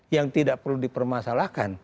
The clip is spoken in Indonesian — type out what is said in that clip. yang tidak perlu dipermasalahkan